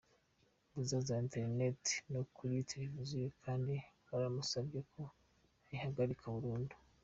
mbuga za interineti no kuri televiziyo kandi baramusabye ko ayihagarika burundu.